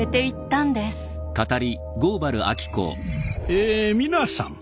え皆さん